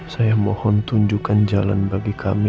saya mohon tunjukkan jalan bagi kami